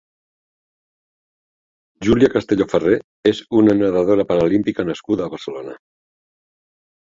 Julia Castelló Farré és una nedadora paralímpica nascuda a Barcelona.